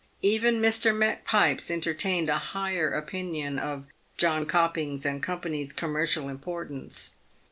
Even Mr. Macpipes entertained a higher opinion of Jonkopings and Co.'s commercial importance.